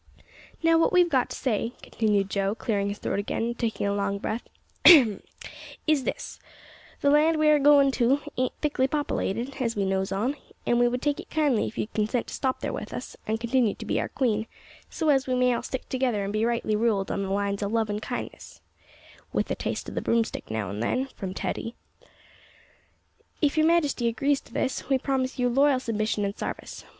"Now, what we've got to say," continued Joe, clearing his throat again, and taking a long breath, "is this the land we're agoin' to ain't thickly popilated, as we knows on, an' we would take it kindly if you'd consent to stop there with us, an' continue to be our queen, so as we may all stick together an' be rightly ruled on the lines o' lovin' kindness," ("With a taste o' the broomstick now an' then," from Teddy). "If your majesty agrees to this, we promise you loyal submission an' sarvice.